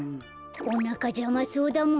おなかじゃまそうだもんね。